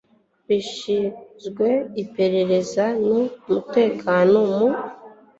rushinzwe Iperereza n Umutekano mu